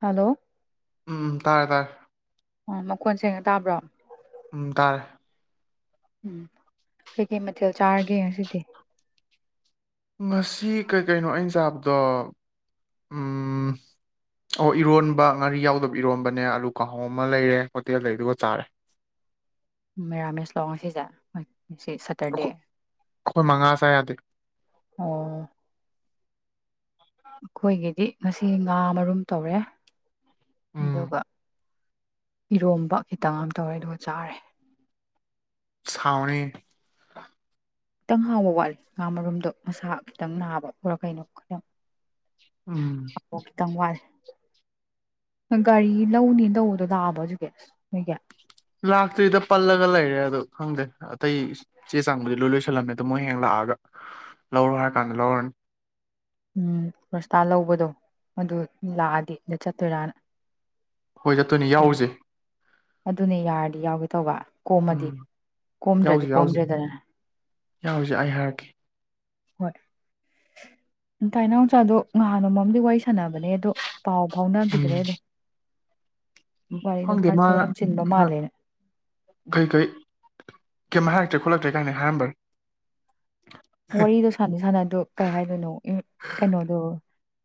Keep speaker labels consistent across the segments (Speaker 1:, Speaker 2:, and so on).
Speaker 1: Hello
Speaker 2: ꯎꯝ ꯇꯥꯔꯦ ꯇꯥꯔꯦ
Speaker 1: ꯑꯣ ꯃꯈꯣꯟ ꯁꯦꯡꯅ ꯇꯥꯕ꯭ꯔꯣ
Speaker 2: ꯎꯝ ꯇꯔꯦ
Speaker 1: ꯎꯝ ꯀꯩꯀꯩ ꯃꯊꯦꯜ ꯆꯥꯔꯒꯦ ꯉꯁꯤꯗꯤ
Speaker 2: ꯉꯁꯤ ꯀꯩ ꯀꯩꯅꯣ ꯑꯩꯅ ꯆꯥꯕꯗꯣ ꯎꯝ ꯑꯣ ꯏꯔꯣꯟꯕ ꯉꯥꯔꯤ ꯌꯥꯎꯗꯕ ꯏꯔꯣꯟꯕꯅꯦ ꯑꯂꯨ ꯀꯥꯍꯧ ꯑꯃ ꯂꯩꯔꯦ ꯍꯣꯇꯦꯜꯗꯩ ꯑꯗꯨꯒ ꯆꯥꯔꯦ
Speaker 1: ꯃꯦꯔꯥꯃꯦꯁ ꯂꯣ ꯉꯁꯤꯖꯦ ꯁꯇꯔꯗꯦ
Speaker 2: ꯑꯩꯈꯣꯏ ꯑꯩꯈꯣꯏ ꯃꯉꯥ ꯆꯥ ꯌꯥꯗꯦ
Speaker 1: ꯑꯣ ꯑꯩꯈꯣꯏꯒꯤꯗꯤ ꯉꯁꯤ ꯉꯥ ꯃꯔꯨꯝ ꯇꯧꯔꯦ
Speaker 2: ꯎꯝ
Speaker 1: ꯑꯗꯨꯒ ꯏꯔꯣꯝꯕ ꯈꯤꯇꯪ ꯑꯃ ꯇꯧꯔꯦ ꯑꯗꯨꯒ ꯆꯥꯔꯦ
Speaker 2: ꯑꯁ ꯍꯥꯎꯅꯤꯍꯦ
Speaker 1: ꯈꯤꯇꯪ ꯍꯥꯎꯕ ꯋꯥꯠꯂꯤ ꯉꯥ ꯃꯔꯨꯝꯗꯣ ꯃꯁꯥ ꯈꯤꯇꯪ ꯅꯥꯕ ꯅꯔ ꯀꯩꯅꯣ ꯈꯔꯥ
Speaker 2: ꯎꯝ
Speaker 1: ꯑ ꯈꯤꯇꯪ ꯋꯥꯠꯂꯤ ꯒꯥꯔꯤ ꯂꯧꯅꯤ ꯇꯧꯕꯗꯣ ꯂꯥꯛꯑꯕꯣ ꯑꯖꯤꯒꯤ ꯅꯣꯏꯒꯤ
Speaker 2: ꯂꯥꯛꯇ꯭ꯔꯤꯗ ꯄꯜꯂꯒ ꯂꯩꯔꯦ ꯑꯗꯣ ꯈꯪꯗꯦ ꯑꯇꯩ ꯆꯦ ꯆꯥꯡꯕꯨꯗꯤ ꯂꯣꯏ ꯂꯣꯏꯁꯜꯂꯝꯃꯦ ꯑꯗꯣ ꯃꯣꯏ ꯍꯌꯦꯡ ꯂꯥꯛꯑꯒ ꯂꯧꯔꯣ ꯍꯥꯏꯔ ꯀꯥꯟꯗ ꯂꯧꯔꯅꯤ
Speaker 1: ꯎꯝ ꯄꯁꯇꯥ ꯂꯧꯕꯗꯣ ꯑꯗꯨ ꯂꯥꯛꯑꯗꯤ ꯑꯗ ꯆꯠꯇꯣꯏꯔꯥꯅ
Speaker 2: ꯍꯣꯏ ꯆꯠꯇꯣꯏꯅꯦ ꯌꯥꯎꯔꯨꯖꯦ
Speaker 1: ꯑꯗꯨꯅꯦ ꯌꯥꯔꯗꯤ ꯌꯥꯎꯒꯦ ꯇꯧꯕ ꯀꯣꯝꯃꯗꯤ
Speaker 2: ꯎꯝ
Speaker 1: ꯀꯣꯝꯗ꯭ꯔꯗꯤ
Speaker 2: ꯌꯥꯎꯁꯤ ꯌꯥꯎꯁꯤ
Speaker 1: ꯀꯣꯝꯗ꯭ꯔꯦꯗꯅ
Speaker 2: ꯌꯥꯎꯔꯨꯁꯦ ꯑꯩ ꯍꯥꯏꯔꯛꯀꯦ
Speaker 1: ꯍꯣꯏ ꯇꯥꯏꯅꯥꯎꯆꯥꯗꯣ ꯅꯍꯥꯟ ꯅꯣꯡꯃꯝꯗꯤ ꯋꯥꯔꯤ ꯁꯅ ꯁꯥꯟꯅꯕꯅꯦ ꯑꯗꯣ ꯄꯥꯎ ꯐꯥꯎꯅꯈꯤꯗ꯭ꯔꯦ ꯑꯗꯨꯝ ꯋꯥꯔꯤꯗꯣ ꯃꯥ
Speaker 2: [unintelligible] ꯑ
Speaker 1: ꯊꯕꯛ ꯌꯥꯝ ꯆꯤꯟꯕ ꯃꯥꯜꯂꯦꯅ
Speaker 2: ꯀꯩ ꯀꯩ ꯀꯩꯝ ꯍꯥꯏꯔꯛꯇ꯭ꯔꯦ ꯈꯣꯠꯂꯛꯇ꯭ꯔꯦ ꯀꯥꯏꯅ ꯍꯥꯏꯔꯝꯕ꯭ꯔꯥ
Speaker 1: ꯋꯥꯔꯤꯗꯣ ꯁꯥꯟꯅ ꯁꯥꯟꯅꯗꯣ ꯀꯩ ꯍꯥꯏꯗꯣꯏꯅꯣ ꯀꯩꯅꯣꯗꯣ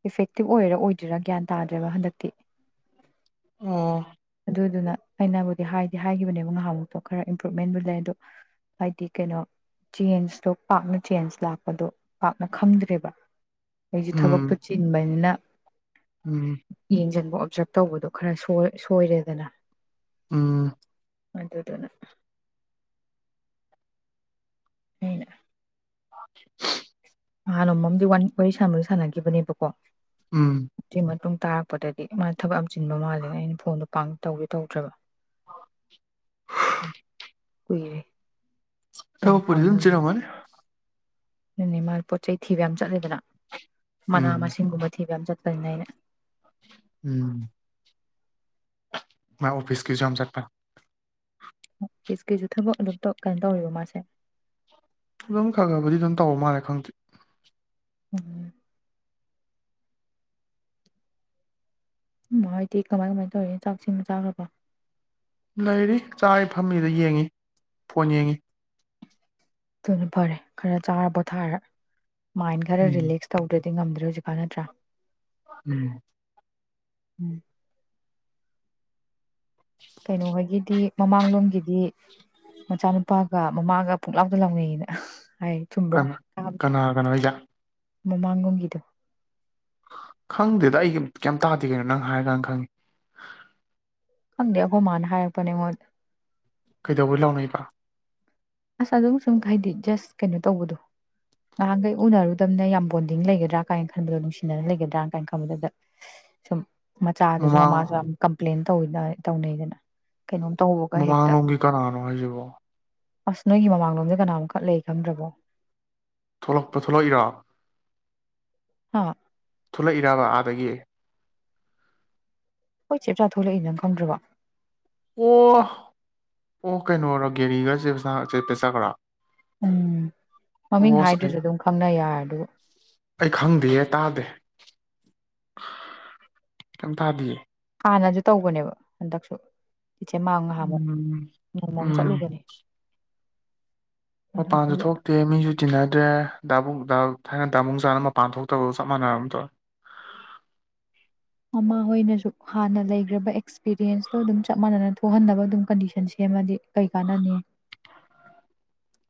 Speaker 1: ꯏꯐꯦꯛꯇꯤꯞ ꯑꯣꯏꯔ ꯑꯣꯏꯗꯣꯏꯔꯥ ꯒ꯭ꯌꯥꯟ ꯇꯥꯗ꯭ꯔꯦꯕ ꯍꯟꯗꯛꯇꯤ
Speaker 2: ꯑ
Speaker 1: ꯑꯗꯨꯗꯨꯅ ꯑꯩꯅꯕꯨꯗꯤ ꯍꯥꯏꯗꯤ ꯍꯥꯏꯈꯤꯕꯅꯦꯕ ꯉꯥꯏꯍꯥꯃꯨꯛꯇꯣ ꯈꯔ ꯏꯝꯄ꯭ꯔꯨꯚꯃꯦꯟꯕꯨ ꯂꯩ ꯑꯗꯣ ꯍꯥꯏꯗꯤ ꯀꯩꯅꯣ ꯆꯦꯟꯖꯇꯣ ꯄꯥꯛꯅ ꯆꯦꯟꯖ ꯂꯥꯛꯄꯗꯣ ꯄꯥꯛꯅ ꯈꯪꯗ꯭ꯔꯦꯕ ꯑꯩꯁꯦ ꯊꯕꯛꯇꯣ
Speaker 2: ꯎꯝ
Speaker 1: ꯆꯤꯟꯕꯅꯤꯅ
Speaker 2: ꯎꯝ
Speaker 1: ꯌꯦꯡꯁꯤꯟꯕ ꯑꯣꯞꯖꯥꯔꯕ ꯇꯧꯕꯗꯣ ꯈꯔ ꯁꯣꯏꯔꯦꯗꯅ
Speaker 2: ꯎꯝ
Speaker 1: ꯑꯗꯨꯗꯨꯅ ꯑꯩꯅ
Speaker 2: [unintelligible]
Speaker 1: ꯅꯍꯥꯟ ꯅꯣꯡꯃꯝꯗꯤ ꯋꯥꯔꯤ ꯁꯥꯟꯕꯨꯗꯤ ꯁꯥꯟꯅꯈꯤꯕꯅꯦꯕꯀꯣ
Speaker 2: ꯎꯝ
Speaker 1: ꯑꯗꯨꯏ ꯃꯇꯨꯡ ꯇꯥꯔꯛꯄꯗꯗꯤ ꯃꯥꯅ ꯊꯕꯛ ꯑꯃ ꯆꯤꯟꯕ ꯃꯥꯜꯂꯦꯅ ꯑꯩꯅ ꯐꯣꯟꯗꯣ ꯄ ꯇꯧꯒꯦ ꯇꯧꯗ꯭ꯔꯕ ꯎꯝ ꯀꯨꯏꯔꯦ
Speaker 2: ꯊꯕꯛ ꯄꯨꯗꯤ ꯗꯨꯝ ꯆꯤꯜꯂꯞꯒꯅꯤ
Speaker 1: ꯅꯅꯦ ꯄꯣꯠ ꯆꯩ ꯊꯤꯕ ꯌꯥꯝ ꯆꯠꯂꯤꯗꯅ ꯃꯅꯥ
Speaker 2: ꯎꯝ
Speaker 1: ꯃꯁꯤꯡꯒꯨꯝꯕ ꯊꯤꯕ ꯆꯠ [unintelligible]
Speaker 2: ꯎꯝ ꯃ ꯑꯣꯐꯤꯁ ꯀꯤꯁ ꯌꯥꯝ ꯆꯠꯄ
Speaker 1: ꯑꯣꯐꯤꯁꯀꯤꯁꯨ ꯊꯕꯛ ꯑꯗꯨꯝ ꯀꯩꯅꯣ ꯇꯧꯔꯤꯕ ꯃꯥꯁꯦ
Speaker 2: ꯑꯗꯨꯝ ꯈ ꯈꯕꯨꯗꯤ ꯑꯗꯨꯝ ꯇꯧ ꯃꯥꯜꯂꯦ ꯈꯪꯗꯦ
Speaker 1: ꯎꯝ ꯍꯥꯏꯗꯤ ꯀꯃꯥꯏ ꯀꯃꯥꯏꯅ ꯇꯧꯔꯤ ꯆꯥꯛꯁꯤꯡꯗꯤ ꯆꯥꯈ꯭ꯔꯕ
Speaker 2: ꯂꯩꯔꯤ ꯆꯥꯔꯤ ꯐꯝꯃꯤꯗ ꯌꯦꯡꯉꯤ ꯐꯣꯟ ꯌꯦꯡꯉꯤ
Speaker 1: [unintelligible] ꯐꯔꯦ ꯈꯔ ꯆꯥꯔ ꯄꯣꯊꯥꯔ ꯃꯥꯏꯟ ꯈꯔ
Speaker 2: ꯎꯝ
Speaker 1: ꯔꯤꯂꯦꯛꯁ ꯇꯧꯗ꯭ꯔ ꯗꯤ ꯉꯝꯗ꯭ꯔꯦ ꯍꯧꯖꯤꯛꯀꯥꯟ ꯅꯠꯇ꯭ꯔꯥ
Speaker 2: ꯎꯝ
Speaker 1: ꯎꯝ ꯀꯩꯅꯣ ꯍꯣꯏꯒꯤꯗꯤ ꯃꯃꯥꯡꯂꯣꯝꯒꯤꯗꯤ ꯃꯆꯥꯅꯨꯄꯥꯒ ꯃꯃꯥꯒ ꯄꯣꯛꯂꯥꯎꯗ ꯂꯥꯎꯅꯩꯅ
Speaker 2: ꯀꯅꯥ ꯀꯅꯥ ꯀꯅꯥ ꯒꯅꯣ ꯍꯥꯏꯁꯦ
Speaker 1: ꯃꯃꯥꯡꯉꯣꯝꯒꯤꯗ
Speaker 2: ꯈꯪꯗꯦꯗ ꯑꯩ ꯀꯩꯝ ꯇꯥꯗꯦ ꯀꯩꯅꯣ ꯅꯪ ꯍꯥꯏꯔꯀꯥꯟꯅ ꯈꯪꯉꯤ
Speaker 1: ꯈꯪꯗꯦ ꯑꯈꯣ ꯃꯥꯅ ꯍꯥꯏꯔꯛꯄꯅꯦꯉꯣꯟꯗ
Speaker 2: ꯀꯩꯗꯧꯕꯋꯣꯏ ꯂꯥꯎꯅꯕ
Speaker 1: ꯑꯁ ꯑꯗꯨꯝ ꯁꯨꯝ ꯍꯥꯏꯗꯤ ꯖꯁ ꯀꯩꯅꯣ ꯇꯧꯕꯗꯣ ꯅꯍꯥꯟꯈꯩ ꯎꯅꯔꯨꯗꯕꯅꯤ ꯌꯥꯝ ꯕꯣꯟꯗꯤꯡ ꯂꯩꯒꯗ꯭ꯔꯥ ꯀꯥꯏꯅ ꯈꯟꯕꯗꯣ ꯅꯨꯡꯁꯤꯅꯅ ꯂꯩꯒꯗ꯭ꯔꯥ ꯀꯥꯏꯅ ꯈꯟꯕꯗꯨꯗ ꯁꯨꯝ ꯃꯆꯥꯗꯨꯁꯨ
Speaker 2: ꯃꯃꯥꯡ
Speaker 1: ꯃꯃꯥꯁꯨ ꯌꯥꯝ ꯀꯝꯄ꯭ꯂꯦꯟ ꯇꯧꯅꯩꯗꯅ ꯀꯩꯅꯣꯝ ꯇꯧꯕꯒ
Speaker 2: ꯃ
Speaker 1: ꯍꯦꯛꯇ
Speaker 2: ꯃꯥꯟꯨꯒ ꯀꯔꯔꯣ ꯍꯥꯏꯌꯦꯕꯨꯣ
Speaker 1: ꯑꯁ ꯅꯣꯏꯒꯤ ꯃꯃꯥꯡꯂꯣꯝꯗ ꯀꯅꯥꯃꯨꯛ ꯀꯠ ꯂꯩ ꯈꯪꯗ꯭ꯔꯕꯣ
Speaker 2: ꯊꯣꯛꯂꯛꯄ ꯊꯣꯛꯂꯛ ꯑꯒꯦꯔꯣ
Speaker 1: ꯍꯥ
Speaker 2: ꯊꯣꯛꯂꯛꯏꯔꯕ ꯑꯥꯗꯒꯤ
Speaker 1: ꯍꯣꯏ ꯆꯦꯞꯆꯥ ꯊꯣꯛꯂꯛꯏ ꯅꯪ ꯈꯪꯗ꯭ꯔꯕ
Speaker 2: ꯑꯣ ꯑꯣ ꯀꯩꯅꯣꯔꯣ ꯒꯦꯔꯤꯒꯁ ꯆꯦꯝꯆꯥ ꯒꯔꯣ
Speaker 1: ꯎꯝ ꯃꯃꯤꯡ
Speaker 2: ꯑꯁ ꯑꯩ
Speaker 1: ꯍꯥꯏꯗ꯭ꯔꯁꯨ ꯑꯗꯨꯝ ꯈꯪꯅ ꯌꯥꯔꯦ ꯗꯨꯕꯨ
Speaker 2: ꯀꯌꯤꯝꯇꯥꯗꯤꯌꯦ
Speaker 1: ꯍꯥꯟꯅꯁꯨ ꯇꯧꯕꯅꯦꯕ ꯍꯟꯗꯛꯁꯨ ꯏꯆꯦ ꯃꯥ ꯉꯍꯥꯟꯃꯨꯛ
Speaker 2: ꯎꯝ
Speaker 1: ꯅꯣꯡꯃꯝ
Speaker 2: ꯎꯝ
Speaker 1: ꯆꯠꯂꯨꯕꯅꯤ
Speaker 2: ꯃꯄꯥꯟꯁꯨ ꯊꯣꯛꯇꯦ ꯃꯤꯁꯨ ꯇꯤꯟꯅ ꯗꯦ ꯗꯥꯕꯨꯡ ꯊꯥꯏꯅ ꯗꯥꯕꯨꯡ ꯆꯥꯅ ꯃꯄꯥꯟ ꯊꯣꯛꯇꯕꯒ ꯆꯞ ꯃꯥꯟꯅꯔꯝꯗ꯭ꯔ
Speaker 1: ꯃꯃꯥ ꯍꯣꯏꯅꯁꯨ ꯍꯥꯟꯅ ꯂꯩꯈ꯭ꯔꯕ ꯑꯦꯛꯁꯄꯤꯔꯤꯟꯁꯇꯣ ꯑꯗꯨꯝ ꯆꯞ ꯃꯥꯟꯅꯅ ꯊꯣꯛꯍꯟꯅꯕ ꯑꯗꯨꯝ ꯀꯟꯗꯤꯁꯟ ꯁꯦꯝꯃꯗꯤ ꯀꯩ ꯀꯥꯟꯅꯅꯤ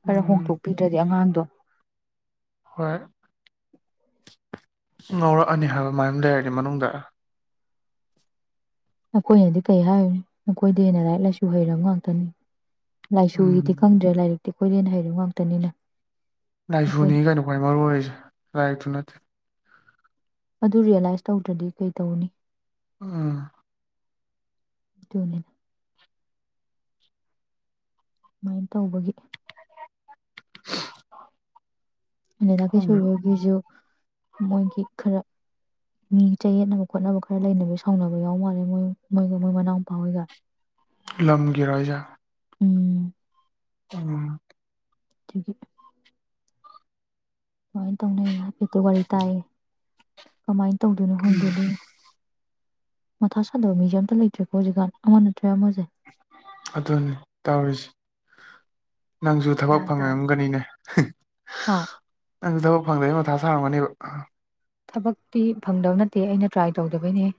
Speaker 1: ꯈꯔ
Speaker 2: ꯎꯝ
Speaker 1: ꯍꯣꯡꯗꯣꯛꯄꯤꯗ꯭ꯔꯗꯤ ꯑꯉꯥꯡꯗꯣ [inaudible]
Speaker 2: ꯍꯣꯏ ꯉꯧꯔꯛꯑꯅꯤ ꯍꯥꯏꯕ ꯑꯃꯥꯏ ꯑꯗꯨꯝ ꯂꯩꯔꯅꯤ ꯃꯅꯨꯡꯗ
Speaker 1: ꯑꯈꯣꯏꯅꯗꯤ ꯀꯔꯤ ꯍꯥꯏꯌꯨ ꯑꯈꯣꯏꯗꯩ ꯍꯦꯟꯅ ꯂꯥꯏꯔꯤꯛ ꯂꯥꯏꯁꯨ ꯍꯩꯔꯕ ꯉꯥꯛꯇꯅꯤ
Speaker 2: ꯎꯝ
Speaker 1: ꯂꯥꯏꯁꯨꯒꯤꯗꯤ ꯈꯪꯗ꯭ꯔꯦ ꯂꯥꯏꯔꯤꯛ ꯇꯤ ꯈꯣꯏꯗꯩ ꯍꯥꯏꯔ ꯉꯥꯛꯇꯅꯤꯅ
Speaker 2: ꯂꯥꯏꯁꯨꯅꯤ
Speaker 1: ꯑꯩꯈꯣꯏꯅ
Speaker 2: ꯀꯩꯅꯣ ꯈ꯭ꯋꯥꯏ ꯃꯔꯨ ꯑꯣꯏꯔꯤꯁꯦ ꯂꯥꯏꯔꯤꯛꯇꯨ ꯅꯠꯇꯦ
Speaker 1: ꯑꯗꯨ ꯔꯤꯌꯦꯂꯥꯏꯁ ꯇꯧꯗ꯭ꯔꯗꯤ ꯀꯩ ꯇꯧꯅꯤ
Speaker 2: ꯎꯝ
Speaker 1: ꯗꯨꯅꯤ ꯁꯨꯃꯥꯏꯅ ꯇꯧꯕꯒꯤ ꯑ ꯊꯦ
Speaker 2: ꯈꯪꯗꯦ
Speaker 1: ꯁꯣꯏꯕꯒꯦꯁꯨꯣ ꯃꯣꯏꯒꯤ ꯈꯔ ꯃꯤ ꯆꯌꯦꯠꯅꯕ ꯈꯣꯠꯅꯕ ꯈꯔ ꯂꯩꯅꯕ ꯁꯥꯎꯅꯕ ꯌꯥꯎ ꯃꯥꯜꯂꯦ ꯃꯣꯏ ꯃꯣꯏꯒ ꯃꯣꯏ ꯃꯅꯥꯎ ꯃꯄꯥ ꯍꯣꯏꯒ
Speaker 2: ꯂꯝꯒꯤꯔꯣꯖꯥ
Speaker 1: ꯎꯝ
Speaker 2: ꯎꯝ
Speaker 1: ꯊꯒꯤ ꯍ ꯇꯧ ꯂꯩꯅ ꯍꯇ ꯋꯥꯔꯤ ꯇꯥꯏ ꯀꯃꯥꯏꯅ ꯇꯧꯗꯣꯏꯅꯣ ꯍꯪꯗꯦ ꯑꯗꯨ ꯃꯊꯥ ꯁꯥꯗꯕ ꯃꯤꯁꯤ ꯑꯝꯇ ꯂꯩꯇ꯭ꯔꯦꯀꯣ ꯍꯧꯖꯤꯛꯀꯥꯟ ꯑꯃꯅ
Speaker 2: ꯑꯗꯨꯅꯤ ꯇꯧꯔꯤꯁꯦ ꯅꯪꯁꯨ ꯊꯕꯛ
Speaker 1: ꯒ꯭ꯌꯥꯟ ꯇꯥꯗꯦ
Speaker 2: ꯐꯪꯉꯛꯑꯝꯒꯅꯤꯅꯦ
Speaker 1: ꯍꯥ
Speaker 2: ꯅꯪꯁꯨ ꯊꯕꯛ ꯐꯪꯗꯕꯩ ꯃꯊꯥ ꯁꯥꯡꯔꯝꯒꯅꯦꯕ
Speaker 1: ꯊꯕꯛꯇꯤ ꯐꯪꯗꯕ ꯅꯠꯇꯦ ꯑꯩꯅ ꯇ꯭ꯔꯥꯏ ꯇꯧꯗꯕꯩꯅꯤ ꯍꯦ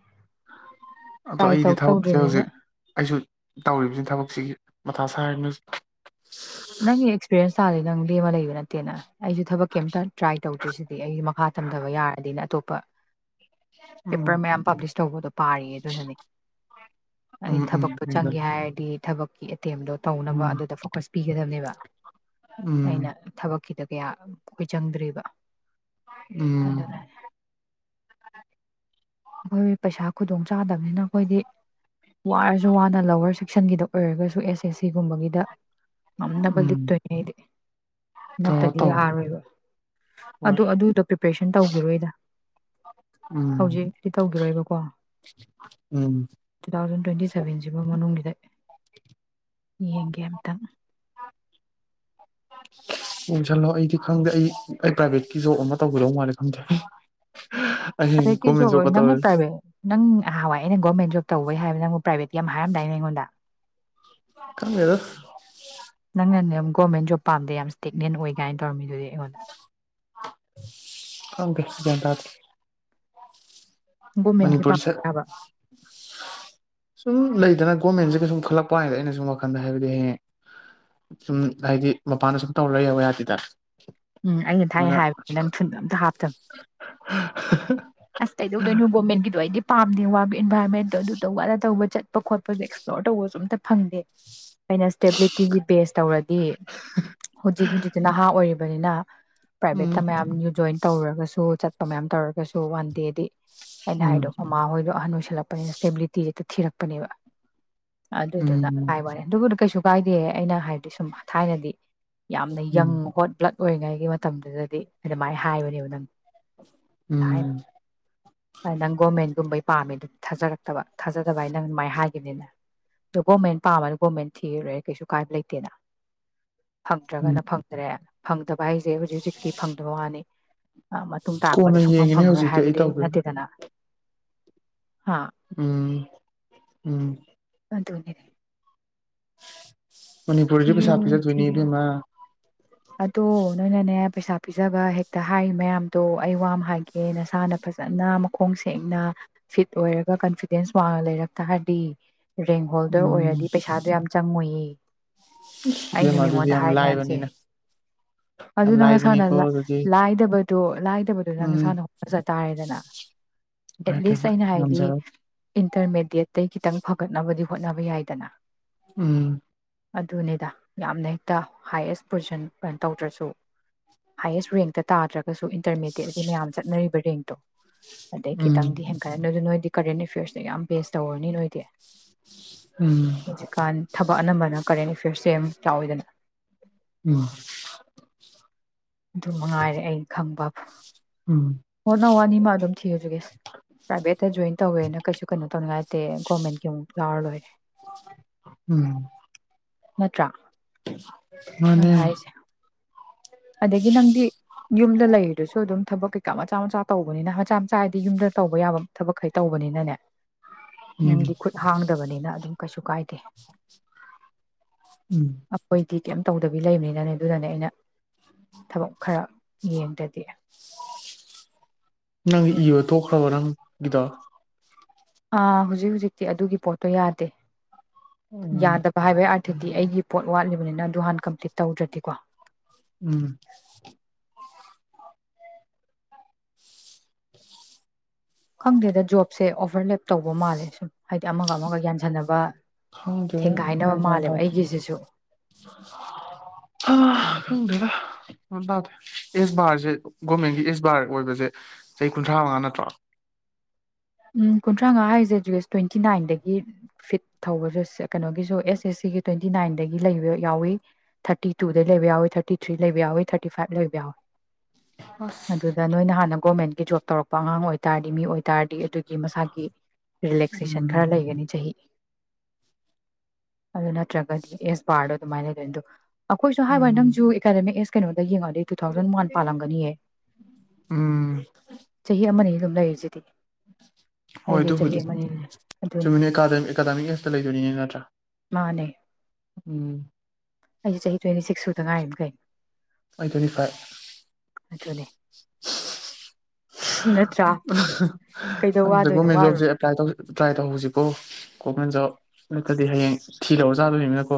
Speaker 2: ꯑꯗꯣ ꯑꯩꯗꯤ ꯊꯕꯛꯁꯦ
Speaker 1: ꯇꯧꯗ꯭ꯔꯤꯕꯅꯤꯅ
Speaker 2: ꯍꯧꯖꯤꯛ ꯑꯩꯁꯨ ꯇꯧꯔꯤꯕꯁꯤꯅ ꯊꯕꯛ ꯁꯤꯒꯤ ꯃꯇꯊꯥ ꯁꯔꯅꯕꯅꯤ ꯍꯥꯎꯖꯤꯛ
Speaker 1: ꯅꯪ ꯑꯦꯛꯁꯄꯤꯔꯤꯌꯦꯟꯁ ꯆꯥꯗꯦ ꯅꯪ ꯂꯦꯝ ꯑꯃ ꯂꯩꯕ ꯅꯠꯇꯦꯅ ꯑꯩꯁꯨ ꯊꯕꯛ ꯀꯩꯝꯇ ꯇ꯭ꯔꯥꯏ ꯇꯧ ꯭ꯔꯤꯁꯤꯗꯤ ꯑꯩ ꯃꯈꯥ ꯊꯝꯊꯕ ꯌꯥꯔꯗꯤꯅ ꯑꯇꯣꯞꯄ
Speaker 2: ꯎꯝ
Speaker 1: ꯄꯦꯄꯔ ꯃꯌꯥꯝ ꯄꯥꯕ꯭ꯂꯤꯁ ꯇꯧꯕꯗꯣ ꯄꯥꯔꯤꯌꯦ ꯑꯗꯨꯅꯅꯦ ꯑꯩꯅ
Speaker 2: ꯎꯝ ꯎꯝ
Speaker 1: ꯊꯕꯛꯇꯣ ꯆꯪꯒꯦ ꯍꯥꯏꯔꯗꯤ ꯊꯕꯛ [inaudible] ꯇꯦꯝꯗꯣ ꯇꯧꯅꯕ
Speaker 2: ꯎꯝ
Speaker 1: ꯑꯗꯨꯗ ꯐꯣꯀꯁ ꯅꯝꯅꯤꯕ
Speaker 2: ꯎꯝ
Speaker 1: ꯑꯩꯅ ꯊꯕꯛ ꯁꯤꯗ ꯀꯌꯥ ꯑꯩꯈꯣꯏ ꯆꯪꯗ꯭ꯦꯔꯤꯕ
Speaker 2: ꯑꯝ
Speaker 1: ꯑꯩꯈꯣꯏ ꯄꯩꯁꯥ ꯈꯨꯗꯣꯡꯆꯥꯥꯗꯕꯅꯤꯅ ꯑꯩꯈꯣꯏꯗꯤ ꯋꯥꯔꯁꯨ ꯋꯥꯅ ꯂꯋꯔ ꯁꯦꯛꯁꯟꯒꯤꯗ ꯑꯣꯏꯔꯒꯁꯨ ꯑꯦꯁ ꯑꯦꯁ ꯁꯤꯒꯨꯝꯕꯒꯤꯗ ꯉꯝꯅꯕ
Speaker 2: ꯎꯝ
Speaker 1: ꯂꯤꯛꯇꯣꯏꯅꯦ ꯑꯩꯗꯤ
Speaker 2: ꯇꯧꯔꯣ
Speaker 1: ꯅꯠꯇꯗꯤ
Speaker 2: ꯇꯧꯔꯣ
Speaker 1: ꯌꯥꯔꯣꯏꯕ
Speaker 2: ꯍꯣꯏ
Speaker 1: ꯑꯗꯨ ꯑꯗꯨꯗꯣ ꯄ꯭ꯔꯤꯄꯔꯦꯁꯟ ꯇꯧꯈꯤꯔꯣꯏꯗ
Speaker 2: ꯑꯝ
Speaker 1: ꯍꯧꯖꯤꯛꯇꯤ ꯇꯧꯈꯤꯔꯣꯏꯕꯀꯣ
Speaker 2: ꯎꯝ
Speaker 1: ꯇꯨ ꯊꯥꯎꯖꯟ ꯇ꯭ꯋꯦꯟꯇꯤ ꯁꯚꯦꯟꯁꯤꯐꯥꯎ ꯃꯅꯨꯡꯒꯤꯗ ꯌꯦꯡꯒꯦ ꯑꯃꯇꯪ
Speaker 2: ꯎꯁꯜꯂꯣ ꯑꯩꯗꯤ ꯈꯪꯗꯦ ꯑꯩ ꯑꯩ ꯄ꯭ꯔꯥꯏꯚꯦꯠꯀꯤ ꯖꯣꯕ ꯑꯃ ꯇꯧꯒꯗꯧ ꯃꯥꯜꯂꯦ ꯈꯪꯗꯦ ꯑꯩ
Speaker 1: ꯄ꯭ꯔꯥꯏꯚꯦꯠꯀꯤ
Speaker 2: ꯒꯣꯔꯃꯦꯟ
Speaker 1: ꯖꯣꯕ ꯑꯣꯏ
Speaker 2: ꯖꯣꯕꯀ
Speaker 1: ꯅꯪꯅ
Speaker 2: ꯇꯧꯔꯗꯤ
Speaker 1: ꯄ꯭ꯔꯥꯏꯚꯦꯠ ꯅꯪ ꯅꯍꯥꯟꯋꯥꯏ ꯑꯩꯅ ꯒꯣꯔꯃꯦꯟ ꯖꯣꯕ ꯇꯧꯕꯩ ꯍꯥꯏꯕ ꯅꯪꯕꯨ ꯄ꯭ꯔꯥꯏꯚꯦꯠꯀꯤ ꯌꯥꯝ ꯍꯥꯏꯔꯝꯗꯥꯏꯅꯦ ꯑꯩꯉꯣꯟꯗ
Speaker 2: ꯈꯪꯗꯔ꯭ꯦꯗꯥ꫰
Speaker 1: ꯅꯪ ꯅꯅꯦ ꯌꯥꯝ ꯒꯤꯚꯦꯔꯃꯦꯟꯠ ꯖꯤꯕ ꯄꯥꯝꯗꯦ ꯌꯥꯝ ꯏꯁ꯭ꯇꯦꯛꯅꯦꯟ ꯑꯣꯏꯒꯥꯏꯅ ꯇꯧꯔꯃꯤꯅꯦ ꯑꯁꯨꯗꯤ ꯑꯩꯏꯪꯗ
Speaker 2: ꯒꯤꯌꯟ ꯇꯥꯗꯦ
Speaker 1: ꯒꯣꯔꯃꯦꯟꯒꯤ
Speaker 2: ꯃꯅꯤꯄꯨꯔꯁꯦ
Speaker 1: ꯄꯥꯝꯕ
Speaker 2: ꯁꯨꯝ ꯂꯩꯗꯅ ꯒꯣꯃꯦꯟꯠ ꯁꯨꯝ ꯈꯜꯂꯛꯄ ꯍꯥꯏꯗ ꯑꯩꯅ ꯁꯨꯝ ꯋꯥꯈꯟꯗ ꯍꯥꯏꯕꯗꯤ ꯍꯌꯦꯡ ꯁꯨꯝ ꯍꯥꯏꯗꯤ ꯃꯄꯥꯟꯗ ꯁꯨꯝ ꯇꯧꯔ ꯌꯋ ꯌꯥꯗꯦꯗ ꯫
Speaker 1: ꯎꯝ ꯑꯩꯅ ꯊꯥꯏꯅ ꯍꯥꯏꯕ ꯅꯪ ꯊꯨꯟꯗ ꯑꯝꯇ ꯍꯥꯞꯇꯝ [unintelligible] [unintelligible]
Speaker 2: [unintelligible]
Speaker 1: [unintelligible] ꯄꯥꯝꯗꯦ ꯋꯥꯕ ꯏꯟꯚꯥꯏꯔꯣꯟꯃꯦꯟꯇꯣ ꯑꯗꯨꯗ ꯋꯥꯅ ꯇꯧꯕ ꯆꯠꯄ ꯈꯣꯠꯄꯁꯦ ꯑꯦꯛꯁꯄ꯭ꯂꯣꯔ ꯇꯧꯕꯁꯨ ꯑꯝꯇ ꯐꯪꯗꯦ ꯑꯩꯅ ꯏꯁꯇꯦꯕꯤꯂꯤꯇꯤꯒꯤ ꯕꯦꯖ ꯇꯧꯔꯗꯤ ꯍꯨꯖꯤꯛ ꯍꯨꯖꯤꯛꯇꯤ ꯅꯍꯥ ꯑꯣꯏꯔꯤ ꯕꯅꯤꯅ
Speaker 2: ꯎꯝ
Speaker 1: ꯄ꯭ꯔꯥꯏꯚꯦꯠꯇ ꯃꯌꯥꯝ ꯖꯣꯏꯟ ꯇꯧꯔꯨꯔꯒꯁꯨ ꯆꯠ ꯃꯌꯥꯝ ꯇꯧꯔꯒꯁꯨ [unintelligible] [unintelligible] ꯑꯩꯅ
Speaker 2: ꯎꯝ
Speaker 1: ꯍꯥꯏꯗꯣ ꯃꯃꯍꯣꯏꯒ ꯑꯍꯟ ꯑꯣꯏꯁꯜꯂꯛꯄꯅꯤꯅ ꯏꯁꯇꯦꯕꯤꯂꯤꯇꯤ ꯍꯦꯛꯇ ꯊꯤꯔꯛꯄꯅꯦꯕ ꯑꯗꯨꯗꯨꯅ
Speaker 2: ꯎꯝ
Speaker 1: ꯍꯥꯏꯕꯋꯥꯅꯦ ꯑꯗꯨꯕꯨꯗꯤ ꯀꯩꯁꯨ ꯀꯥꯏꯗꯦ ꯑꯩꯅ ꯍꯥꯏꯗꯤ ꯁꯨꯝ ꯊꯥꯏꯅꯗꯤ ꯌꯥꯝꯅ
Speaker 2: ꯎꯝ
Speaker 1: ꯌꯪ [unintelligible] ꯑꯣꯏꯔꯤꯉꯩꯒꯤ ꯃꯇꯝꯗꯨꯗꯗꯤ ꯑꯗꯨꯃꯥꯏꯅ ꯍꯥꯏꯕꯅꯦꯕ ꯅꯪ [unintelligible]
Speaker 2: [unintelligible]
Speaker 1: [unintelligible] ꯄꯥꯝꯃꯦ ꯊꯥꯖꯔꯛꯇꯕ ꯊꯥꯖꯗꯕ ꯍꯥꯏ ꯅꯪ ꯃꯥꯏꯅ ꯍꯥꯏꯈꯤꯕꯅꯤꯅ ꯑꯗꯣ ꯒꯣꯔꯃꯦꯟ ꯄꯥꯝꯝꯕꯅ ꯒꯣꯔꯃꯦꯟ ꯊꯤꯔꯨꯔꯦ ꯀꯩꯁꯨ ꯀꯥꯏꯕ ꯂꯩꯇꯦꯅ
Speaker 2: ꯎꯝ
Speaker 1: ꯐꯪꯗ꯭ꯔꯒꯅ ꯐꯪꯗ꯭ꯔꯦ ꯍꯪ ꯐꯪꯗꯕꯥ ꯍꯥꯏꯁꯦ ꯍꯧꯖꯤꯛ ꯍꯧꯖꯤꯛꯀꯤ ꯐꯪꯗꯕ ꯋꯥꯅꯤ ꯃꯇꯨꯡ ꯇꯥꯔꯛꯄꯗ
Speaker 2: ꯀꯣꯟꯅ
Speaker 1: [unintelligible]
Speaker 2: ꯌꯦꯡꯉꯤꯅꯦ
Speaker 1: ꯐꯪꯉꯔꯣꯏ
Speaker 2: ꯍꯧꯖꯤꯛꯇꯤ ꯑꯩ
Speaker 1: ꯍꯥꯏꯕꯗꯤ
Speaker 2: ꯇꯧꯗꯣꯏꯅꯦ
Speaker 1: ꯅꯠꯇꯦꯗꯅ ꯍꯥ
Speaker 2: ꯎꯝ ꯎꯝ
Speaker 1: [unintelligible]
Speaker 2: ꯃꯅꯤꯄꯨꯔꯁꯨ
Speaker 1: ꯊꯤꯌꯨ
Speaker 2: ꯄꯩꯁꯥ [unintelligible]
Speaker 1: ꯊꯤꯌꯨ
Speaker 2: ꯏꯕꯦꯃꯥ
Speaker 1: ꯑꯗꯣ ꯅꯣꯏꯅꯅꯦ ꯄꯩꯁꯥ ꯄꯤꯖꯕ ꯍꯦꯛꯇ ꯍꯥꯏ ꯃꯌꯥꯝꯗꯣ ꯑꯩ ꯋꯥ ꯍꯥꯏꯒꯦ ꯅꯁꯥꯅ ꯐꯖꯅ ꯃꯈꯣꯡ ꯁꯦꯡꯅ ꯐꯤꯠ ꯑꯣꯏꯔꯒ ꯀꯟꯐꯤꯗꯦꯟꯁ ꯋꯥꯡꯉ ꯂꯩꯔꯛ ꯇꯥꯔꯗꯤ ꯔꯦꯡ ꯍꯣꯜꯗꯔ
Speaker 2: ꯎꯝ
Speaker 1: ꯑꯣꯏꯔꯗꯤ ꯄꯩꯁꯥꯗꯨ ꯌꯥꯝ ꯆꯪꯉꯣꯏꯌꯦ [unintelligible] ꯑꯩꯅ
Speaker 2: ꯏꯕꯦꯃ ꯑꯗꯨꯗꯤ
Speaker 1: ꯃꯤꯉꯣꯟꯗ
Speaker 2: ꯌꯥꯝ
Speaker 1: ꯍꯥꯏ ꯃꯌꯥꯝꯁꯦ
Speaker 2: ꯂꯥꯏꯕꯅꯤꯅ
Speaker 1: ꯑꯗꯨ
Speaker 2: ꯌꯥꯝ
Speaker 1: ꯅꯪ ꯑꯁꯥꯅ
Speaker 2: ꯂꯥꯏꯕꯅꯤꯀꯣ ꯑꯗꯨꯗꯤ
Speaker 1: ꯂꯥꯏꯗꯕꯗꯣ ꯂꯥꯏꯗꯕꯗꯨ
Speaker 2: ꯎꯝ
Speaker 1: ꯅꯪꯁꯥꯅ ꯍꯣꯠꯅꯖꯇꯥꯥꯔꯦꯗꯅ
Speaker 2: ꯏꯃꯥꯏ
Speaker 1: ꯑꯦꯠꯂꯤꯁ
Speaker 2: ꯄꯦꯝꯃ
Speaker 1: ꯑꯩꯅ ꯍꯥꯏꯗꯤ
Speaker 2: ꯉꯝꯖꯔꯣꯏ
Speaker 1: ꯏꯟꯇꯔꯃꯦꯗꯤꯌꯦꯠ ꯑꯇꯩ ꯈꯤꯇꯪ ꯐꯒꯠꯅꯕꯗꯤ ꯍꯣꯠꯅꯕ ꯌꯥꯏꯗꯅ
Speaker 2: ꯎꯝ
Speaker 1: ꯑꯗꯨꯅꯤꯗ ꯌꯥꯝꯅ ꯍꯦꯛꯇ ꯍꯥꯏꯌꯦꯁ ꯄꯣꯖꯤꯁꯟ ꯀꯅ ꯇꯧꯗ꯭ꯔꯁꯨ ꯍꯥꯏꯌꯦꯁ ꯔꯦꯡꯛꯇ ꯇꯥꯗ꯭ꯔꯒꯁꯨ ꯏꯟꯇꯔꯃꯦꯗꯦꯠꯗꯤ ꯃꯌꯥꯝ ꯆꯠꯅꯔꯤꯕ ꯔꯦꯡꯛꯇꯣ ꯑꯗꯩ
Speaker 2: ꯎꯝ
Speaker 1: ꯈꯤꯇꯪꯗꯤ ꯍꯦꯟꯒꯠꯂꯦ ꯅꯣꯏ ꯑꯗꯨ ꯅꯣꯏꯗꯤ ꯀꯔꯟ ꯑ‌ꯦꯐ‌ꯦꯔ꯭ꯁ ꯁ ꯌꯥꯝ ꯕꯦꯁ ꯇꯧꯔꯅꯤ ꯅꯣꯏꯗꯤ
Speaker 2: ꯎꯝ
Speaker 1: ꯍꯧ ꯀꯥꯟ ꯊ ꯑꯣ ꯑꯅꯝꯕꯅ ꯀꯔꯦꯟ ꯑꯦꯐꯤꯌꯔꯁꯁꯦ ꯌꯥꯝ ꯆꯥꯎꯋꯤꯗꯅ
Speaker 2: ꯎꯝ
Speaker 1: ꯑꯗꯨ ꯃꯉꯥꯏꯔꯦ ꯑꯩꯅ ꯈꯪꯕ
Speaker 2: ꯎꯝ
Speaker 1: ꯍꯣ ꯅꯪ ꯋꯥꯅꯤ ꯃꯥ ꯑꯗꯨꯝ ꯊꯤꯔꯨꯒꯦꯁ ꯄ꯭ꯔꯥꯏꯚꯦꯠꯇ ꯖꯣꯏꯟ ꯇꯧꯋꯦꯅ ꯀꯩꯁꯨ ꯀꯩꯅꯣ ꯇꯧꯅꯤꯡꯉꯥꯏ ꯑꯦ ꯒꯣꯔꯃꯦꯟꯒꯤ ꯑꯃꯨꯛ ꯌꯥꯎꯔ ꯂꯣꯏꯔꯦ
Speaker 2: ꯎꯝ
Speaker 1: ꯅꯠꯇ꯭ꯔ
Speaker 2: ꯃꯥꯅꯦ
Speaker 1: ꯑꯗꯒꯤ ꯅꯪꯗꯤ ꯌꯨꯝꯗ ꯂꯩꯔꯤꯗꯨꯁꯨ ꯑꯗꯨꯝ ꯊꯕꯛ ꯀꯩꯀꯥ ꯃꯆꯥ ꯃꯆꯥ ꯇꯧꯕꯅꯤꯅ ꯃꯆꯥ ꯃꯆꯥ ꯍꯥꯏꯗꯤ ꯌꯨꯝꯗ ꯇꯧꯕ ꯌꯥꯕ ꯊꯕꯛꯈꯩ ꯇꯧꯕꯅꯤꯅꯅꯦ
Speaker 2: ꯎꯝ
Speaker 1: ꯅꯗꯤ ꯈꯨꯠ ꯍꯥꯡ ꯇꯕꯅꯤꯅ ꯑꯗꯨꯝ ꯀꯩꯁꯨ ꯀꯥꯏꯗꯦ
Speaker 2: ꯎꯝ
Speaker 1: ꯑꯄꯣꯏꯗꯤ ꯀꯩꯝ ꯇꯧꯗꯕꯤ ꯂꯩꯕꯅꯤꯅꯅꯦ ꯑꯗꯨꯗꯅꯦ ꯑꯩꯅ ꯊꯕꯛ ꯈꯔ ꯌꯦꯡꯗꯗꯤ
Speaker 2: ꯅꯪꯒꯤ ꯏꯕ ꯇꯣꯛꯈ꯭ꯔꯕ ꯅꯪ ꯒꯤꯗ
Speaker 1: ꯑꯥ ꯍꯧꯖꯤꯛ ꯍꯧꯨꯖꯤꯛꯇꯤ ꯑꯗꯨꯒꯤ ꯄꯣꯠꯇꯣ ꯌꯥꯗꯦ
Speaker 2: ꯎꯝ
Speaker 1: ꯌꯥꯗꯕ ꯍꯥꯏꯕ ꯑꯗꯨꯗꯤ ꯑꯩꯒꯤ ꯄꯣꯠ ꯋꯥꯠꯂꯤꯕꯅꯤꯅ ꯑꯗꯨ ꯍꯥꯟꯅ ꯀꯝꯄ꯭ꯂꯤꯠ ꯇꯧꯗ꯭ꯔꯗꯤꯀꯣ
Speaker 2: ꯎꯝ
Speaker 1: ꯈꯪꯗꯦꯗ ꯖꯣꯕꯁꯦ ꯑꯣꯐꯔ ꯂꯦꯞ ꯇꯧꯕ ꯃꯥꯜꯂꯦ ꯁꯨꯝ ꯍꯥꯏꯗꯤ ꯑꯃꯒ ꯑꯃꯒ ꯌꯥꯟꯁꯟꯅꯕ
Speaker 2: ꯈꯪꯗꯦꯑꯩ
Speaker 1: ꯊꯦꯡꯒꯥꯏꯅꯕ
Speaker 2: ꯒꯔꯥꯟꯗ
Speaker 1: ꯃꯥꯜꯂꯦꯕ ꯑꯩꯒꯤꯁꯤꯁꯨ
Speaker 2: ꯇꯥꯁꯦ ꯑꯦꯁ ꯕꯥꯔꯁꯦ ꯒꯣꯔꯃꯦꯟꯒꯤ ꯑꯦꯁ ꯕꯥꯔ ꯑꯣꯏꯕꯁꯦ ꯆꯍꯤ ꯀꯨꯟꯊ꯭ꯔꯥ ꯃꯉꯥ ꯅꯠꯇ꯭ꯔꯣ
Speaker 1: ꯎꯝ ꯀꯨꯟꯊ꯭ꯔꯥ ꯃꯉꯥ ꯍꯥꯏꯔꯤꯁꯦ ꯖꯨꯁ ꯇ꯭ꯋꯦꯟꯇꯤ ꯅꯥꯏꯟꯗꯒꯤ ꯐꯤꯠ ꯊꯧꯕꯁꯨ ꯀꯩꯅꯣꯒꯤꯁꯨ ꯑꯦꯁ ꯑꯦꯁ ꯁꯤꯒꯤ ꯇ꯭ꯋꯦꯟꯇꯤ ꯅꯥꯏꯟꯗꯒꯤ ꯂꯩꯕ ꯌꯥꯎꯋꯤ ꯊꯥꯔꯇꯤ ꯇꯨꯗꯒꯤ ꯂꯩꯕ ꯌꯥꯎꯋꯤ ꯊꯥꯔꯇꯤ ꯊ꯭ꯔꯤ ꯂꯩꯕ ꯌꯥꯎꯋ ꯊꯥꯔꯇꯤ ꯐꯥꯏꯚ ꯂꯩꯕ ꯌꯥꯎꯏꯤ ꯑꯗꯨꯗ
Speaker 2: ꯑꯁ
Speaker 1: ꯅꯣꯏꯅ ꯍꯥꯟꯅ ꯒꯣꯔꯃꯦꯟ ꯖꯣꯕ ꯇꯧꯔꯛ ꯑꯉꯥꯡ ꯑꯣꯏꯇꯥꯔꯗꯤ ꯃꯤ ꯑꯣꯏ ꯇꯥ ꯑꯗꯨ ꯃꯁꯥꯒꯤ ꯔꯤꯂꯦꯛꯁꯦꯁꯟ
Speaker 2: ꯎꯝ
Speaker 1: ꯈꯔ ꯂꯩꯒꯅꯤ ꯆꯍꯤ ꯑꯗꯨ ꯅꯠꯇ꯭ꯔꯒꯗꯤ ꯑꯦꯁ ꯕꯥꯔꯗꯣ ꯑꯗꯨꯃꯥꯏꯅ ꯂꯩꯗꯣꯏꯅꯤꯗꯣ ꯑꯩꯈꯣꯏꯁꯨ ꯍꯥꯏꯕ
Speaker 2: ꯎꯝ
Speaker 1: ꯅꯪꯁꯨ ꯑꯦꯀꯥꯗꯃꯤꯛꯁ ꯌꯦꯡꯉꯛꯗꯤ ꯇꯨ ꯊꯥꯎꯖꯟ ꯋꯥꯟ ꯄꯥꯜꯂꯝꯒꯅꯤꯍꯦ
Speaker 2: ꯎꯝ
Speaker 1: ꯆꯍꯤ ꯑꯃꯅꯤ ꯑꯗꯨꯝ ꯂꯩꯔꯁꯤꯗꯤ
Speaker 2: ꯍꯣꯏ ꯑꯗꯨꯕꯨꯗꯤ
Speaker 1: ꯑꯗꯨꯅꯤ
Speaker 2: ꯆꯨꯝꯃꯤꯅ ꯑꯦꯀꯥꯗꯃꯤꯛ ꯑꯦꯁꯇ ꯂꯩꯗꯣꯏꯔꯤꯅꯦ ꯅꯠꯇ꯭ꯔꯥ ꯎꯝ
Speaker 1: ꯑꯩꯁꯨ ꯆꯍꯤ ꯇ꯭ꯋꯦꯟꯇꯤ ꯁꯤꯛꯁ ꯁꯨꯗ ꯉꯥꯏꯔꯤꯝ ꯀꯩꯅꯣ
Speaker 2: ꯑꯩ ꯇ꯭ꯋꯦꯟꯇꯤ ꯐꯥꯏꯚ
Speaker 1: ꯑꯗꯨꯅꯦ ꯅꯠꯇ꯭ꯔꯥ ꯀꯩꯗꯧ
Speaker 2: ꯑꯗꯨꯗ
Speaker 1: ꯋꯥꯗꯣꯏꯅꯣ
Speaker 2: ꯒꯣꯔꯃꯦꯟ
Speaker 1: ꯋꯥꯔꯨ
Speaker 2: ꯖꯣꯕꯁꯦ ꯑꯦꯄ꯭ꯂ ꯇ ꯇ꯭ꯔꯥꯏ ꯇꯧꯍꯧꯁꯤꯕꯣ ꯑꯩꯉꯣꯟꯖ ꯅꯠꯇ꯭ꯔꯗꯤ ꯍꯌꯦꯡ ꯊꯤꯔꯎ ꯆꯥꯗꯣꯅꯤꯅꯀꯣ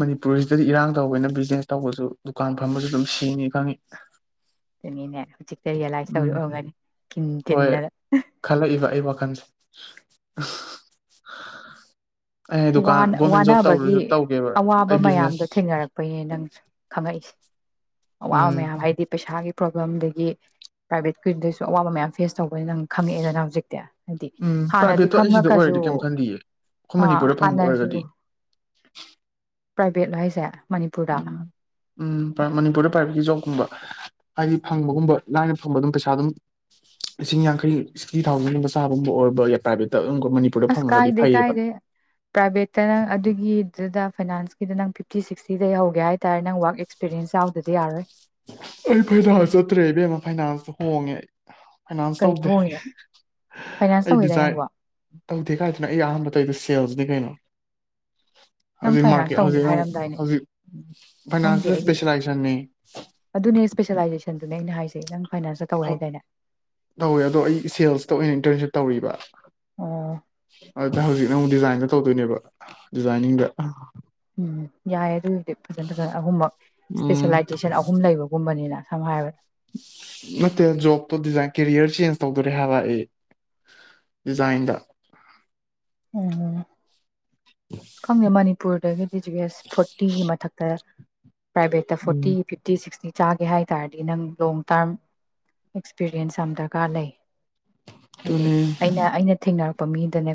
Speaker 2: ꯃꯅꯤꯄꯨꯔꯁꯤꯗꯗꯤ ꯏꯔꯥꯡ ꯇꯧꯕꯅ ꯕꯤꯖꯤꯅꯦꯁ ꯇꯧꯕꯁꯨ ꯗꯨꯀꯥꯟ ꯐꯝꯕꯁꯨ ꯑꯗꯨꯝ ꯉꯤ ꯈꯪꯉꯤ
Speaker 1: ꯑꯗꯨꯅꯤꯅꯦ ꯍꯧꯖꯤꯛꯇ ꯔꯤꯌꯦꯂꯥꯏꯁ
Speaker 2: ꯎꯝ
Speaker 1: ꯇꯧꯔꯑꯝꯒꯅꯤ ꯀꯤꯟ
Speaker 2: ꯍꯣꯏ
Speaker 1: ꯇꯤꯟꯗꯅ
Speaker 2: ꯈꯜꯂꯛꯏꯕ [unintelligible] ꯗꯨꯀꯥꯟ ꯒꯣꯔꯃꯦꯟ ꯖꯣꯕ
Speaker 1: ꯋꯥꯅꯕꯒꯤ
Speaker 2: ꯇꯧꯔꯁꯨ ꯇꯧꯒꯦꯕ
Speaker 1: ꯑꯋꯥꯕ
Speaker 2: ꯑꯩ ꯕꯤꯖꯤꯅꯦꯁ
Speaker 1: ꯃꯌꯥꯝꯗꯣ ꯊꯦꯡꯅꯔꯛꯄꯩꯅꯦ ꯅꯪꯁꯨ ꯈꯪꯉꯛꯏꯁꯦ ꯋꯥ
Speaker 2: ꯎꯝ
Speaker 1: ꯃꯌꯥꯝ ꯍꯥꯏꯗꯤ ꯄꯩꯁꯥꯒꯤ ꯄ꯭ꯔꯣꯕ꯭ꯂꯦꯝ ꯑꯗꯒꯤ ꯄ꯭ꯔꯥꯏꯚꯦꯠꯀꯤꯨꯗꯁꯨ ꯑꯋꯥꯕ ꯃꯌꯥꯝ ꯐꯦꯁ ꯑꯆꯧꯕꯅ ꯅꯪ ꯈꯪꯉꯛꯑꯦꯗꯅ ꯍꯧꯖꯤꯛꯇꯤ ꯍꯥꯏꯗꯤ
Speaker 2: ꯎꯝ
Speaker 1: ꯍꯥꯟꯅꯗꯤ
Speaker 2: ꯄ꯭ꯔꯥꯏꯚꯦꯠꯇꯣ ꯑꯩ ꯁꯤꯗ
Speaker 1: ꯈꯪꯉꯛꯀꯁꯨ
Speaker 2: ꯑꯣꯏꯔꯗꯤ ꯀꯩꯝ ꯈꯟꯗꯤꯌꯦ ꯑꯩꯈꯣꯏ
Speaker 1: ꯑ
Speaker 2: ꯃꯅꯤꯄꯨꯔꯗ ꯐꯪꯕ
Speaker 1: ꯐꯂꯁꯨ
Speaker 2: ꯑꯣꯏꯔꯒꯗꯤ [inaudible]
Speaker 1: ꯄ꯭ꯔꯥꯏꯚꯦꯠ ꯍꯥꯏꯁꯦ
Speaker 2: ꯎ
Speaker 1: ꯃꯅꯤꯄꯨꯔꯗ
Speaker 2: ꯎꯝ ꯃꯅꯤꯄꯨꯔ ꯄꯥꯏꯕꯤ ꯨꯝꯕ ꯍꯥꯏꯗꯤ ꯐꯪꯕꯒꯨꯝꯕ ꯂꯥꯏꯅ ꯐꯪꯕ ꯑꯗꯨꯝ ꯄꯩꯁꯥ ꯑꯗꯨꯝ ꯂꯤꯁꯤꯡ ꯌꯥꯡꯈꯩ ꯁꯤꯛꯁꯇꯤ ꯊꯥꯎꯖꯟꯒꯨꯝꯕ ꯆꯥꯕꯒꯨꯝꯕ ꯑꯣꯏꯕ ꯄ꯭ꯔꯥꯏꯚꯦꯠꯇ ꯑꯗꯨꯝ ꯃꯅꯤꯄꯨꯔꯗ
Speaker 1: ꯑꯁ
Speaker 2: ꯐꯪꯉꯒꯗꯤ
Speaker 1: ꯀꯥꯏꯗꯦ
Speaker 2: ꯐꯩꯌꯦ
Speaker 1: ꯀꯥꯏꯗꯦ ꯄ꯭ꯔꯥꯏꯚꯦꯠꯇꯅꯪ ꯑꯗꯨꯒꯤꯗꯨꯗ ꯐꯥꯏꯅꯥꯟꯁ ꯁꯤꯗ ꯅꯪ ꯐꯤꯞꯇꯤ ꯁꯤꯛꯁꯇꯤꯩ ꯍꯧꯒꯦ ꯍꯥꯏꯇꯥꯔꯦ ꯅꯪ ꯋꯥꯛ ꯑꯦꯛꯁꯄꯤꯔꯤꯌꯦꯟꯁ ꯌꯥꯎꯗꯗꯤ ꯌꯥꯔꯣꯏ
Speaker 2: ꯑꯩ ꯐꯥꯏꯅꯥꯟꯁ
Speaker 1: ꯍꯧꯖꯤꯛ
Speaker 2: ꯆꯠꯇ꯭ꯔꯦ ꯏꯕꯦꯝꯃ ꯐꯥꯏꯅꯥꯟꯁꯇ ꯍꯣꯡꯉꯦ ꯑꯩ ꯐꯥꯏꯅꯥꯟꯁ
Speaker 1: ꯀꯩ
Speaker 2: ꯇꯧꯗꯦ
Speaker 1: ꯍꯣꯡꯉꯤꯅꯣ ꯐꯥꯏꯅꯥꯟꯁ
Speaker 2: ꯑꯩ
Speaker 1: ꯇꯧꯋꯤꯗꯥꯏ
Speaker 2: ꯗꯤꯖꯥꯏꯟ
Speaker 1: ꯅꯪꯕꯣ
Speaker 2: ꯇꯧꯗꯦ ꯀꯥꯏꯗꯅ ꯑꯩ ꯑꯍꯥꯟꯕꯗꯗ ꯁꯦꯜꯁꯅꯤ ꯀꯩꯅꯣ
Speaker 1: ꯅꯪ
Speaker 2: ꯍꯧꯖꯤꯛ
Speaker 1: ꯐꯥꯏꯅꯥꯟꯁ
Speaker 2: ꯃꯥꯔꯀꯦ
Speaker 1: ꯇꯧꯅꯤ
Speaker 2: ꯍꯧꯖꯤꯛ
Speaker 1: ꯍꯥꯏꯔꯝꯗꯥꯏꯅꯦ
Speaker 2: ꯍꯧꯖꯤꯛ
Speaker 1: ꯈꯪꯗꯦ
Speaker 2: ꯐꯥꯏꯅꯥꯟꯁꯤꯌꯦ
Speaker 1: ꯑꯩꯗꯤ
Speaker 2: ꯏꯁꯄꯦꯁꯤꯂꯥꯏꯖꯦꯁꯟꯟꯅꯅꯤ
Speaker 1: ꯑꯗꯨꯅꯦ ꯏꯁꯄꯦꯁꯦꯂꯥꯏꯖꯦꯁꯟꯗꯨꯅꯦ ꯑꯩꯅ ꯍꯥꯏꯖꯩ ꯅꯪ ꯐꯥꯏꯅꯥꯟꯁꯇ ꯇꯧꯋꯦ ꯍꯥꯏꯗꯥꯏꯅꯦ
Speaker 2: ꯇꯧꯋꯦ ꯑꯗꯣ ꯑꯩ ꯁꯦꯜꯁꯇ ꯑꯣꯏꯅ ꯏꯟꯇꯔꯟꯁꯤꯞ ꯇꯧꯔꯤꯕ
Speaker 1: ꯑꯣ
Speaker 2: ꯑꯗꯥ ꯍꯧꯖꯤꯛ ꯑꯃꯨꯛ ꯗꯤꯖꯥꯏꯟꯗ ꯇꯧꯗꯣꯏꯅꯦꯕ ꯗꯤꯖꯥꯏꯅꯤꯡꯗ
Speaker 1: ꯎꯝ ꯌꯥꯏꯌꯦ ꯑꯗꯨꯗꯤ ꯐꯖꯅ ꯐꯖꯅ ꯑꯍꯨꯝꯃꯛ
Speaker 2: ꯎꯝ
Speaker 1: ꯏꯁꯄꯦꯁꯂꯥꯏꯖꯦꯁꯟ ꯑꯍꯨꯝ ꯂꯩꯕꯒꯨꯝꯕꯅꯤꯅ ꯁꯝ ꯍꯥꯏꯕ
Speaker 2: ꯅꯠꯇꯦ ꯖꯣꯕꯇꯣ ꯗꯤꯖꯥꯏꯟ ꯀꯦꯔꯤꯌꯔ ꯆꯦꯟꯖ ꯇꯧꯗꯣꯔꯦ ꯍꯥꯏꯕ ꯑꯩ ꯗꯤꯖꯥꯏꯟꯗ
Speaker 1: ꯑꯣ ꯈꯪꯗꯦ ꯃꯥꯅꯤ ꯄꯨꯔꯗ ꯗꯤ [unintelligible] ꯐꯣꯔꯇꯤꯒꯤ ꯃꯊꯛꯇ ꯄ꯭ꯔꯥꯏꯚꯦꯠꯇ
Speaker 2: ꯎꯝ
Speaker 1: ꯐꯣꯔꯇꯤ ꯐꯤꯞꯇꯤ ꯁꯤꯛꯁꯇꯤ ꯆꯥꯒꯦ ꯍꯥꯏ ꯇꯥꯔꯗꯤ ꯅꯪ ꯂꯣꯡ ꯇꯥꯔꯝ ꯑꯦꯛꯁꯄꯤꯔꯤꯌꯦꯟꯁ ꯌꯥꯝ ꯗꯔꯀꯥꯔ ꯂꯩ ꯍꯥꯏꯗꯤ
Speaker 2: ꯑꯗꯨꯅꯦ
Speaker 1: ꯑꯩꯅ ꯑꯩꯅ ꯊꯦꯡꯅꯔꯛꯄ ꯃꯤꯗꯅꯦ